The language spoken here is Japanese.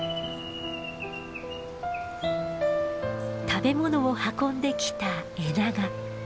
食べ物を運んできたエナガ。